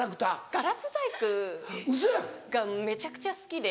ガラス細工がめちゃくちゃ好きで。